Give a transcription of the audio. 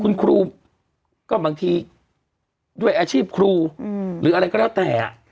คุณครูก็บางทีด้วยอาชีพครูหรืออะไรก็แล้วแต่